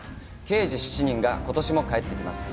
「刑事７人」がことしも帰ってきます。